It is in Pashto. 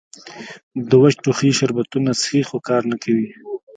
د وچ ټوخي شربتونه څښي خو کار نۀ کوي